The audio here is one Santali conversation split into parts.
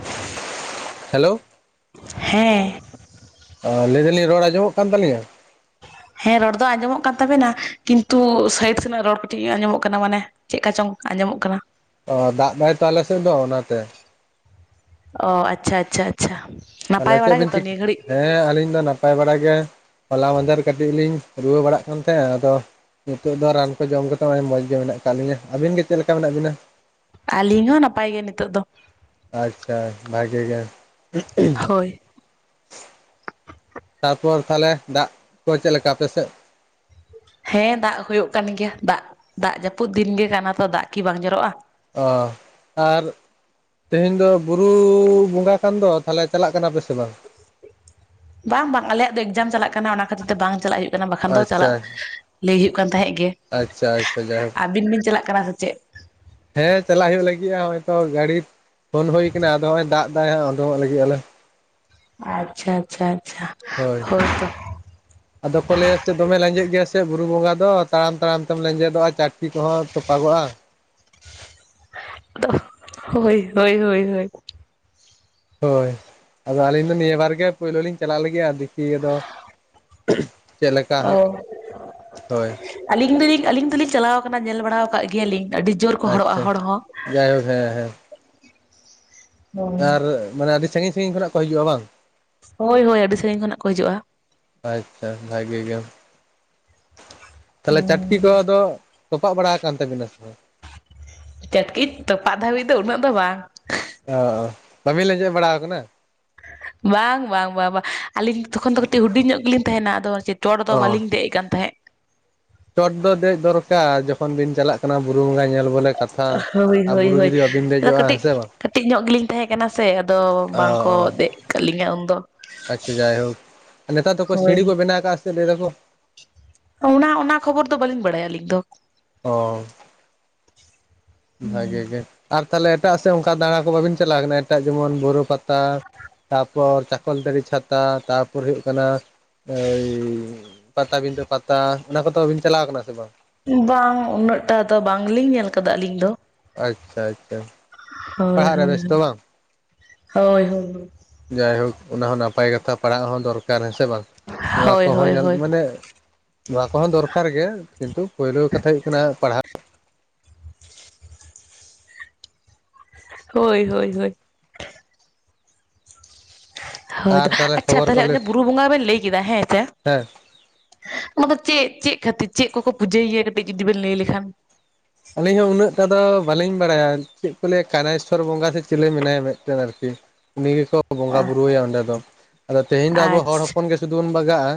[unintelligible] ᱦᱮᱞᱳ᱾ ᱦᱮᱸ ᱟᱸ ᱞᱟᱹᱭ ᱮᱫᱟᱞᱤᱧ ᱨᱚᱲ ᱟᱸᱡᱚᱢᱚᱜ ᱠᱟᱱ ᱛᱟᱹᱞᱤᱧᱟ? ᱦᱮᱸ ᱨᱚᱲ ᱫᱚ ᱟᱸᱡᱚᱢᱚᱜ ᱠᱟᱱ ᱛᱟᱹᱵᱮᱱᱟ ᱠᱤᱱᱛᱩ ᱥᱟᱭᱤᱰ ᱥᱮᱱᱟᱜ ᱨᱚᱲ ᱠᱟᱹᱴᱤᱡ ᱟᱸᱡᱚᱢᱚᱜ ᱠᱟᱱᱟ ᱢᱟᱱᱮ ᱪᱮᱜ ᱠᱟ ᱪᱚᱝ ᱟᱸᱡᱚᱢᱚᱜ ᱠᱟᱱᱟ᱾ ᱚ ᱫᱟᱜ ᱮᱫᱟᱭ ᱛᱚ ᱟᱞᱮᱥᱮᱜ ᱫᱚ ᱚᱱᱟᱛᱮ᱾ ᱚ ᱟᱪᱷᱟ ᱟᱪᱷᱟ᱾ ᱪᱷᱟᱢ [inaudible] ᱛᱟᱞᱦᱮ ᱪᱮᱜ ᱵᱤᱱ ᱪᱤᱠ [unintelligible] ᱦᱮᱸ ᱟᱹᱞᱤᱧ ᱫᱚ ᱱᱟᱯᱟᱭ ᱵᱟᱲᱟ ᱜᱮ ᱦᱚᱞᱟ ᱢᱟᱸᱫᱷᱮᱨ ᱠᱟᱹᱴᱤᱡ ᱞᱤᱧ ᱨᱩᱣᱟᱹ ᱵᱟᱲᱟᱜ ᱠᱟᱱ ᱛᱟᱦᱮᱸᱜ ᱟᱫᱚ [unintelligible] ᱱᱤᱛᱚᱜ ᱫᱚ ᱨᱟᱱ ᱠᱚ ᱡᱚᱢ ᱠᱟᱛᱚᱜ ᱱᱚᱜᱼᱚᱭ ᱢᱚᱡᱽ ᱜᱮ ᱢᱮᱱᱟᱜ ᱟᱠᱟᱜ ᱞᱤᱧᱟ᱾ ᱟᱹᱵᱤᱱ ᱜᱮ ᱪᱮᱜ ᱞᱮᱠᱟ ᱢᱮᱱᱟᱜ ᱵᱤᱱᱟ? ᱟᱹᱞᱤᱧ ᱦᱚᱸ ᱱᱟᱯᱟᱭ ᱜᱮ ᱱᱤᱛᱚᱜ ᱫᱚ᱾ ᱟᱪᱷᱟ ᱵᱷᱟᱜᱮ ᱜᱮ᱾ ᱦᱳᱭ ᱛᱟᱯᱚᱨ ᱛᱟᱦᱞᱮ ᱫᱟᱜ ᱠᱚ ᱪᱮᱜ ᱞᱮᱠᱟ ᱟᱯᱮ ᱥᱮᱜ? ᱦᱮᱸ ᱫᱟᱜ ᱦᱩᱭᱩᱜ ᱠᱟᱱ ᱜᱮᱭᱟ ᱫᱟᱜ ᱫᱟᱜ ᱡᱟᱹᱯᱩᱫ ᱫᱤᱱ ᱜᱮ ᱠᱟᱱᱟ ᱛᱚ᱾ ᱫᱟᱜ ᱠᱤ ᱵᱟᱝ ᱡᱚᱨᱚᱜᱼᱟ? ᱚ ᱟᱨ [unintelligible] ᱛᱮᱦᱮᱧ ᱫᱚ ᱵᱩᱻᱨᱩ ᱵᱚᱸᱜᱟ ᱠᱟᱱ ᱫᱚ᱾ ᱛᱟᱦᱚᱞᱮ ᱪᱟᱞᱟᱜ ᱠᱟᱱᱟ ᱯᱮ ᱥᱮ ᱵᱟᱝ? ᱵᱟᱝ ᱵᱟᱝ ᱟᱞᱮᱭᱟᱜ ᱫᱚ ᱮᱠᱡᱟᱢ ᱪᱟᱞᱟᱜ ᱠᱟᱱᱟ ᱚᱱᱟ ᱠᱷᱟᱹᱛᱤᱨ ᱛᱮ ᱵᱟᱝ ᱪᱟᱞᱟᱜ ᱦᱩᱭᱩᱜ ᱠᱟᱱᱟ᱾ ᱵᱟᱠᱷᱟᱱ ᱫᱚ ᱟᱪᱪᱷᱟ ᱪᱟᱞᱟᱜ [unintelligible] ᱞᱟᱹᱭ ᱦᱩᱭᱩᱜ ᱠᱟᱱ ᱛᱟᱦᱮᱸᱜ ᱜᱮ ᱟᱪᱪᱷᱟ ᱟᱪᱪᱷᱟ ᱡᱟᱭᱦᱳᱠ ᱟᱹᱵᱤᱱ ᱵᱤᱱ ᱪᱟᱞᱟᱜ ᱠᱟᱱᱟ ᱥᱮ ᱪᱮᱫ? ᱦᱮᱸ ᱪᱟᱞᱟᱜ ᱦᱩᱭᱩᱜ ᱞᱟᱹᱜᱤᱜᱼᱟ᱾ ᱦᱚᱭ ᱛᱚ ᱜᱟᱹᱲᱤ [unintelligible] ᱯᱷᱳᱱ ᱦᱩᱭ ᱠᱟᱱᱟ ᱟᱫᱚ ᱦᱚᱸᱜ-ᱚᱭ ᱫᱟᱜ ᱮᱫᱟᱭ ᱦᱟᱸᱜ ᱚᱰᱚᱝᱚᱜ ᱞᱟᱹᱜᱤᱫ ᱟᱞᱮ ᱟᱪᱪᱷᱟ ᱟᱪᱪᱷᱟ ᱟᱪᱪᱷᱟ ᱦᱳᱭ ᱛᱚ ᱟᱫᱚ ᱠᱚ ᱞᱟᱹᱭᱟ ᱥᱮ ᱫᱚᱢᱮ ᱞᱮᱸᱡᱮᱫ ᱜᱮᱭᱟ ᱥᱮ ᱵᱩᱨᱩ ᱵᱚᱸᱜᱟ ᱫᱚ ᱛᱟᱲᱟᱢ ᱛᱟᱲᱟᱢ ᱛᱮᱢ ᱞᱮᱸᱡᱮᱫᱚᱜᱼᱟ ᱪᱟᱴᱠᱤ ᱠᱚᱦᱚᱸ ᱛᱚᱯᱟᱜᱚᱜᱼᱟ [unintelligible] ᱦᱳᱭ ᱦᱳᱭ ᱦᱳᱭ ᱦᱳᱭ᱾ ᱦᱳᱭ ᱟᱫᱚ ᱟᱹᱞᱤᱧ ᱫᱚ ᱱᱤᱭᱟᱹ ᱵᱟᱨ ᱜᱮ ᱯᱳᱭᱞᱳ ᱞᱤᱧ ᱪᱟᱞᱟᱜ ᱞᱟᱹᱜᱤᱜᱼᱟ ᱫᱮᱠᱷᱤ ᱟᱫᱚ [unintelligible] [unintelligible] ᱪᱮᱜ ᱞᱮᱠᱟ ᱦᱟᱸᱜ ᱚ ᱦᱳᱭ [unintelligible] ᱟᱹᱞᱤᱧ ᱫᱚᱞᱤᱧ ᱟᱹᱞᱤᱧ ᱫᱚᱞᱤᱧ ᱪᱟᱞᱟᱣ ᱟᱠᱟᱱᱟ ᱧᱮᱞ ᱵᱟᱲᱟᱣ ᱠᱟᱜ ᱜᱮᱭᱟᱞᱤᱧ ᱟᱹᱰᱤ [unintelligible] [unintelligible] ᱡᱳᱨ ᱠᱚ ᱦᱚᱲᱚᱜᱼᱟ ᱟᱪᱪᱷᱟ ᱦᱚᱲ ᱦᱚᱸ᱾ ᱡᱟᱭᱦᱳᱠ ᱦᱮᱸ ᱦᱮᱸ ᱦᱳᱭ ᱟᱨ ᱢᱟᱱᱮ ᱟᱹᱰᱤ ᱥᱟᱺᱜᱤᱧ ᱥᱟᱺᱜᱤᱧ ᱠᱷᱚᱱᱟᱜ ᱠᱚ ᱦᱤᱡᱩᱜᱼᱟ ᱵᱟᱝ? ᱦᱳᱭ ᱦᱳᱭ ᱟᱹᱰᱤ ᱥᱟᱺᱜᱤᱧ ᱠᱷᱚᱱᱟᱜ ᱠᱚ ᱦᱤᱡᱩᱜᱼᱟ᱾ ᱟᱪᱷᱟ ᱵᱷᱟᱹᱜᱤ ᱜᱮᱭᱟᱢ ᱛᱟᱦᱞᱮ ᱪᱟᱴᱠᱤ ᱠᱚ ᱟᱫᱚ ᱛᱚᱯᱟᱟᱜ ᱵᱟᱲᱟ ᱣᱟᱠᱟᱱ ᱛᱟᱵᱤᱱᱟ ᱥᱮ ᱵᱟᱝ? ᱪᱟᱹᱴᱠᱤ ᱛᱚᱯᱟᱜ ᱫᱷᱟᱹᱵᱤᱡ ᱫᱚ ᱩᱱᱟᱹᱜ ᱫᱚ ᱵᱟᱝ᱾ ᱚ, ᱚ ᱠᱟᱹᱢᱤ ᱞᱮᱸᱡᱮᱫ ᱵᱟᱲᱟ ᱟᱠᱟᱱᱟ ᱵᱟᱝ ᱵᱟᱝ ᱵᱟᱝ ᱵᱟᱝ ᱟᱹᱞᱤᱧ ᱛᱚᱠᱷᱚᱱ ᱫᱚ ᱠᱟᱹᱴᱤᱡ ᱦᱩᱰᱤᱧ ᱧᱚᱜ ᱜᱮᱞᱤᱧ ᱛᱟᱦᱮᱱᱟ ᱟᱫᱚ ᱪᱮᱛ ᱪᱚᱴ ᱫᱚ ᱚ ᱵᱟᱞᱤᱧ ᱫᱮᱡ ᱠᱟᱱ ᱛᱟᱦᱮᱸᱫ ᱪᱚᱴ ᱫᱚ ᱫᱮᱡ ᱫᱚᱨᱠᱟᱨ ᱡᱚᱠᱷᱚᱱ ᱵᱤᱱ ᱪᱟᱞᱟᱜ ᱠᱟᱱᱟ ᱵᱩᱨᱩ ᱵᱚᱸᱜᱟ ᱧᱮᱞ ᱵᱚᱞᱮ ᱠᱟᱛᱷᱟ ᱦᱳᱭ ᱟᱨ ᱦᱳᱭ ᱵᱩᱨᱩ ᱦᱳᱭ ᱡᱩᱫᱤ ᱵᱟᱹᱵᱤᱱ ᱟᱫᱚ ᱫᱮᱡᱚᱜᱼᱟ ᱦᱮᱸ ᱠᱟᱹᱴᱤᱡ ᱥᱮ ᱵᱟᱝ ᱠᱟᱹᱴᱤᱡ ᱧᱚᱜ ᱜᱮᱞᱤᱧ ᱛᱟᱦᱮᱸ ᱠᱟᱱᱟ ᱥᱮ ᱟᱫᱚ ᱚ ᱵᱟᱝᱠᱚ ᱫᱮᱡ ᱠᱟᱫ ᱞᱤᱧᱟᱹ ᱩᱱᱫᱚ ᱟᱪᱪᱷᱟ ᱡᱟᱭᱦᱳᱠ ᱟᱨ ᱱᱮᱛᱟᱨ ᱫᱚᱠᱚ ᱦᱳᱭ ᱥᱤᱬᱤ ᱠᱚ ᱵᱮᱱᱟᱣ ᱟᱠᱟᱫᱼᱟ ᱥᱮ ᱪᱮᱫ ᱞᱟᱹᱭ ᱫᱟᱠᱚ ᱚᱱᱟ ᱚᱱᱟ ᱠᱷᱚᱵᱚᱨ ᱫᱚ ᱵᱟᱟᱹᱞᱤᱧ ᱵᱟᱲᱟᱭᱟ ᱟᱹᱞᱤᱧ ᱫᱚ ᱚ ᱵᱷᱟᱜᱮ ᱜᱮ ᱟᱨ ᱛᱟᱞᱦᱮ ᱮᱴᱟᱜ ᱥᱮᱫ ᱚᱝᱠᱟ ᱫᱟᱬᱟ ᱠᱚ ᱵᱟᱹᱵᱤᱱ ᱪᱟᱞᱟᱣ ᱠᱟᱱᱟ ᱮᱴᱟᱜ ᱡᱮᱢᱚᱱ ᱵᱩᱨᱩ ᱯᱟᱛᱟ ᱛᱟᱨᱯᱚᱨ ᱪᱟᱠᱚᱞᱛᱟᱲᱤ ᱪᱷᱟᱛᱟ ᱛᱟᱨᱯᱚᱨ ᱦᱩᱭᱩᱜ ᱠᱟᱱᱟ ᱳᱭ ᱯᱟᱴᱟᱵᱤᱸᱫᱟᱹ ᱯᱟᱛᱟ ᱚᱱᱟ ᱠᱚᱫᱚᱵᱤᱱ ᱪᱟᱞᱟᱣ ᱠᱟᱱᱟ ᱥᱮ ᱵᱟᱝ ᱵᱟᱝ ᱩᱱᱟᱹᱜ-ᱴᱟ ᱫᱚ ᱵᱟᱝᱞᱤᱧ ᱧᱮᱞ ᱟᱠᱟᱫᱟ ᱟᱹᱞᱤᱧ ᱫᱚ ᱟᱪᱪᱷᱟ ᱟᱪᱪᱷᱟ ᱦᱳᱭ ᱯᱟᱲᱦᱟᱜ ᱨᱮ ᱦᱳᱭ ᱵᱮᱥᱛᱚ ᱵᱟᱝ ᱦᱳᱭ ᱦᱳᱭ ᱡᱟᱭᱦᱳᱠ ᱚᱱᱟ ᱦᱚᱸ ᱱᱟᱯᱟᱭ ᱠᱟᱛᱷᱟ ᱯᱟᱲᱦᱟᱜ ᱦᱚᱸ ᱫᱚᱨᱠᱟᱨ ᱦᱮᱸ ᱥᱮ ᱵᱟᱝ ᱱᱚᱣᱟ ᱦᱳᱭ ᱠᱚᱦᱚᱸ ᱦᱳᱭ ᱧᱮᱞ ᱦᱳᱭ ᱢᱟᱱᱮ ᱱᱚᱣᱟ ᱠᱚᱦᱚᱸ ᱫᱚᱨᱠᱟᱨ ᱜᱮ ᱠᱤᱱᱛᱩ ᱯᱩᱭᱞᱳ ᱠᱟᱛᱷᱟ ᱦᱩᱭᱩᱜ ᱠᱟᱱᱟ ᱯᱟᱲᱦᱟᱜ ᱦᱳᱭ ᱦᱳᱭ ᱦᱳᱭ ᱦᱳᱭ ᱟᱨ ᱛᱟᱦᱚᱞᱮ ᱟᱪᱪᱷᱟ ᱠᱷᱚᱵᱚᱨ ᱠᱚᱞᱮ ᱛᱟᱦᱞᱮ ᱵᱩᱨᱩ ᱵᱚᱸᱜᱟ ᱵᱮᱱ ᱞᱟᱹᱭ ᱠᱮᱫᱟ ᱦᱮᱸ ᱪᱮ ᱚᱱᱟᱫᱚ ᱪᱮᱫ ᱪᱮᱫ ᱠᱷᱟᱹᱛᱤᱨ ᱪᱮᱫ ᱠᱚᱠᱚ ᱯᱩᱡᱟᱹᱭᱮᱭᱟ ᱠᱟᱹᱴᱤᱡ ᱡᱩᱫᱤ ᱵᱮᱱ ᱞᱟᱹᱭ ᱞᱮᱠᱷᱟᱱ ᱟᱹᱞᱤᱧ ᱦᱚᱸ ᱩᱱᱟᱹᱜ-ᱴᱟ ᱫᱚ ᱵᱟᱟᱹᱞᱤᱧ ᱵᱟᱲᱟᱭᱟ ᱪᱮᱫ ᱠᱚ ᱞᱟᱹᱭᱟ ᱠᱟᱱᱟᱭᱥᱚᱨ ᱵᱚᱸᱜᱟ ᱥᱮ ᱪᱤᱞᱤ ᱢᱮᱱᱟᱭᱟ ᱢᱮᱫᱴᱮᱱ ᱟᱨᱠᱤ ᱩᱱᱤ ᱜᱮᱠᱚ ᱵᱚᱸᱜᱟᱼ ᱵᱩᱨᱩᱣᱟᱭᱟ ᱚᱸᱰᱮ ᱫᱚ ᱟᱫᱚ ᱛᱮᱦᱮᱧ ᱫᱚ ᱟᱵᱚ ᱦᱚᱲ ᱟᱪᱪᱷᱟ ᱦᱚᱯᱚᱱ ᱜᱮ ᱥᱩᱫᱷᱩ ᱵᱚᱱ ᱵᱟᱜᱟᱜᱼᱟ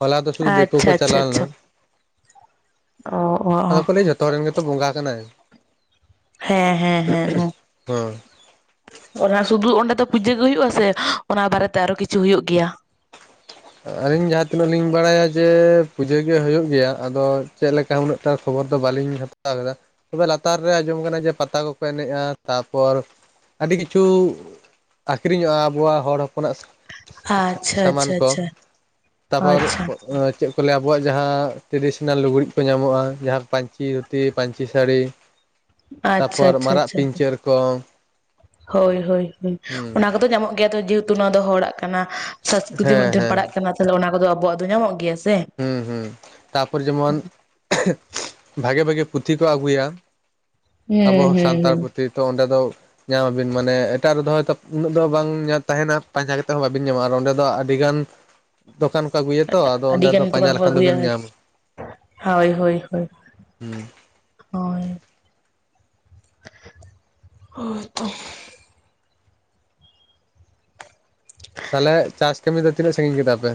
ᱦᱚᱞᱟ ᱫᱚ ᱥᱩᱫᱩ ᱫᱤᱠᱩ ᱠᱚ ᱟᱪᱪᱷᱟ ᱟᱪᱪᱷᱟ ᱪᱟᱞᱟᱣ ᱞᱮᱱᱟ ᱟᱪᱪᱷᱟ ᱚ ᱚ ᱚ ᱟᱫᱚ ᱠᱚ ᱞᱟᱹᱭᱟ ᱡᱷᱚᱛᱚ ᱦᱚᱲ ᱨᱮᱱ ᱜᱮᱛᱚ ᱵᱚᱸᱜᱟ ᱠᱟᱱᱟᱭ ᱦᱮᱸ ᱦᱮᱸ ᱦᱮᱸ ᱦᱮᱸ ᱦᱮᱸ ᱚᱱᱟ ᱥᱩᱫᱩ ᱚᱸᱰᱮ ᱫᱚ ᱯᱩᱡᱟᱹ ᱜᱮ ᱦᱩᱭᱩᱜᱼᱟ ᱥᱮ ᱚᱱᱟ ᱵᱟᱨᱮᱛᱮ ᱟᱨᱚ ᱠᱤᱪᱷᱩ ᱦᱩᱭᱩᱜ ᱜᱮᱭᱟ ᱟᱹᱞᱤᱧ ᱡᱟᱦᱟᱸ ᱛᱤᱱᱟᱹᱜ ᱞᱤᱧ ᱵᱟᱲᱟᱭᱟ ᱡᱮ ᱯᱩᱡᱟᱹ ᱜᱮ ᱦᱩᱭᱩᱜ ᱜᱮᱭᱟ ᱟᱫᱚ ᱪᱮᱫ ᱞᱮᱠᱟ ᱩᱱᱟᱹᱜ ᱴᱟ ᱠᱷᱚᱵᱚᱨ ᱫᱚ ᱵᱟᱟᱹᱞᱤᱧ ᱦᱟᱛᱟᱣ ᱠᱟᱫᱟ ᱛᱚᱵᱮ ᱞᱟᱛᱟᱨ ᱨᱮ ᱟᱸᱡᱚᱢ ᱠᱟᱱᱟ ᱡᱮ ᱯᱟᱛᱟ ᱠᱚᱠᱚ ᱮᱱᱮᱡᱼᱟ ᱛᱟᱨᱯᱚᱨ ᱟᱹᱰᱤ ᱠᱤᱪᱷᱩ ᱟᱠᱠᱷᱨᱤᱧᱚᱜᱼᱟ ᱟᱵᱚᱣᱟᱜ ᱦᱚᱲ ᱦᱚᱯᱚᱱᱟᱜ ᱟᱪᱪᱷᱟ ᱟᱪᱪᱷᱟ ᱥᱟᱢᱟᱱ ᱠᱚ ᱟᱪᱪᱷᱟ ᱛᱟᱯᱚᱨ ᱟᱪᱪᱷᱟ ᱚᱸ ᱪᱮᱫ ᱪᱮᱫ ᱠᱚ ᱞᱟᱹᱭᱟ ᱟᱵᱚᱣᱟᱜ ᱡᱟᱦᱟᱸ ᱴᱨᱮᱰᱤᱥᱚᱱᱟᱞ ᱞᱩᱜᱽᱲᱤᱡ ᱠᱚ ᱧᱟᱢᱚᱜᱼᱟ ᱡᱟᱦᱟᱸ ᱯᱟᱹᱧᱪᱤ ᱫᱷᱩᱛᱤ ᱯᱟᱹᱧᱪᱤ ᱥᱟᱹᱲᱤ ᱟᱪᱪᱷᱟ ᱛᱟᱯᱚᱨ ᱟᱪᱪᱷᱟ ᱢᱟᱨᱟᱜ ᱟᱪᱪᱷᱟ ᱯᱤᱧᱪᱟᱹᱨ ᱠᱚ ᱦᱳᱭ ᱦᱳᱭ ᱦᱳᱭ ᱦᱩᱸ ᱚᱱᱟ ᱠᱚᱫᱚ ᱧᱟᱢᱚᱜ ᱜᱮᱭᱟ ᱛᱚ ᱡᱮᱦᱮᱛᱩ ᱱᱚᱣᱟ ᱫᱚ ᱦᱚᱲᱟᱜ ᱠᱟᱱᱟ ᱥᱚᱝᱥᱠᱨᱤᱛᱤ ᱦᱮᱸ ᱢᱚᱫᱽᱫᱷᱮᱢ ᱦᱮᱸ ᱯᱟᱲᱟᱜ ᱠᱟᱱᱟ ᱛᱟᱞᱦᱮ ᱚᱱᱟ ᱠᱚᱫᱚ ᱟᱵᱚᱣᱟᱜ ᱫᱚ ᱧᱟᱢᱚᱜ ᱜᱮᱭᱟ ᱥᱮ ᱦᱩᱸ ᱦᱩᱸ ᱛᱟᱯᱚᱨ ᱡᱮᱢᱚᱱ [unintelligible] ᱵᱷᱟᱜᱮ ᱵᱷᱟᱜᱮ ᱯᱩᱛᱷᱤ ᱠᱚ ᱟᱜᱩᱭᱟ ᱟᱵᱚ ᱦᱩᱸ ᱦᱚᱸ ᱦᱩᱸ ᱥᱟᱱᱛᱟᱲ ᱦᱩᱸ ᱯᱩᱛᱷᱤ᱾ ᱛᱚ ᱚᱸᱰᱮ ᱫᱚ ᱧᱟᱢᱟᱵᱤᱱ ᱢᱟᱱᱮ ᱮᱴᱟᱜ ᱨᱮᱫᱚ ᱦᱚᱭᱛᱳ ᱩᱱᱟᱹᱜ ᱫᱚ ᱵᱟᱝ ᱛᱟᱦᱮᱱᱟ ᱯᱟᱸᱡᱟ ᱠᱟᱛᱮᱫ ᱦᱚᱸ ᱵᱵᱤᱱ ᱧᱟᱢᱟᱼᱟ ᱟᱨ ᱚᱸᱰᱮ ᱫᱚ ᱟᱹᱰᱤᱜᱟᱱ ᱫᱚᱠᱟᱱ ᱠᱚ ᱟᱹᱜᱩᱭᱟᱛᱚ ᱟᱫᱚ ᱟᱹᱰᱤ ᱚᱸᱰᱮ ᱫᱚ ᱜᱟᱱ ᱯᱟᱸᱡᱟ ᱫᱚᱠᱟᱱ ᱠᱚ ᱞᱮᱠᱷᱟᱱ ᱟᱹᱜᱩᱭᱟ, ᱫᱚᱵᱤᱱ ᱦᱟᱭ, ᱧᱟᱢᱟ ᱦᱳᱭ ᱦᱳᱭ ᱦᱳᱭ, ᱦᱩᱸ ᱦᱳᱭ ᱦᱳᱭ ᱛᱚ ᱛᱟᱞᱦᱮ ᱪᱟᱥ ᱠᱟᱹᱢᱤ ᱫᱚ ᱛᱤᱱᱟᱹᱜ ᱥᱟᱺᱜᱤᱧ ᱠᱮᱫᱟ ᱯᱮ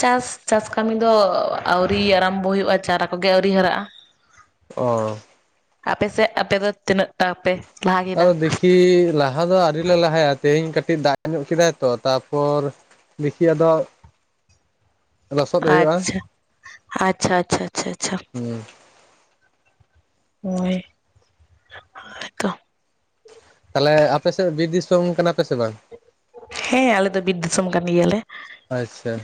ᱪᱟᱥ ᱪᱟᱥ ᱠᱟᱹᱢᱤ ᱫᱚ ᱟᱣᱨᱤ ᱟᱨᱟᱢᱵᱚ ᱦᱩᱭᱩᱜᱼᱟ ᱪᱟᱨᱟ ᱠᱚᱜᱮ ᱟᱹᱣᱨᱤ ᱦᱟᱨᱟᱜᱼᱟ ᱚ ᱟᱯᱮᱥᱮᱫ ᱟᱯᱮ ᱫᱚ ᱛᱤᱱᱟᱹᱜ ᱴᱟ ᱯᱮ ᱞᱟᱦᱟ ᱠᱮᱫᱟ ᱠᱤ ᱞᱟᱦᱟ ᱫᱚ ᱟᱣᱨᱤ‌ ᱞᱮ ᱞᱟᱦᱟᱭᱟ ᱛᱮᱦᱮᱧ ᱠᱟᱹᱴᱤᱡ ᱫᱟᱜ ᱧᱚᱜ ᱠᱮᱫᱟᱭ ᱛᱚ ᱛᱟᱯᱚᱨ ᱫᱮᱠᱷᱤ ᱟᱫᱚ᱾ ᱞᱚᱥᱚᱫ ᱦᱩᱭᱩᱜᱼᱟ ᱟᱪᱪᱷᱟ ᱟᱪᱪᱷᱟ ᱟᱪᱷᱟ ᱟᱪᱷᱟ ᱪᱷᱟ ᱦᱩᱸ᱾ ᱦᱳᱭ᱾ ᱦᱳᱭᱛᱚ ᱛᱟᱞᱦᱮ ᱟᱯᱮ ᱥᱮᱫ ᱵᱤᱨ ᱫᱤᱥᱚᱢ ᱠᱟᱱᱟ ᱯᱮ ᱥᱮ ᱵᱟᱝ? ᱦᱮᱸ ᱟᱞᱮ ᱫᱚ ᱵᱤᱨ ᱫᱤᱥᱚᱢ ᱠᱟᱱ ᱜᱤᱭᱟ ᱞᱮ᱾ ᱟᱪᱪᱷᱟ